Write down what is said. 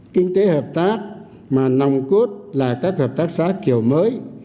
kinh tế hợp tác mà nòng cốt là các hợp tác xã kiểu mới